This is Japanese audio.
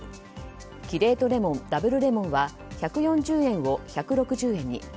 キレートレモンＷレモンは１４０円を１６０円に。